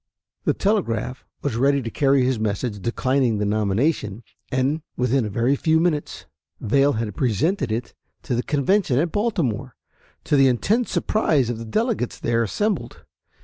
The telegraph was ready to carry his message declining the nomination, and within a very few minutes Vail had presented it to the convention at Baltimore, to the intense surprise of the delegates there assembled.